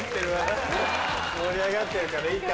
盛り上がってるからいいか。